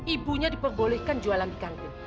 ibunya diperbolehkan jualan ikan pil